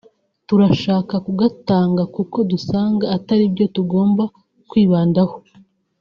turashaka kugatanga kuko dusanga atari byo tugomba kwibandaho